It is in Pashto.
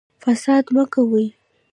فساد مه کوئ